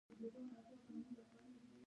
له مرستې پرته نه شو مانا کولای، لکه چې